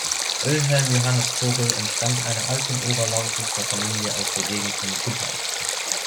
Wilhelm Johannes Vogel entstammt einer alten Oberlausitzer Familie aus der Gegend um Guttau.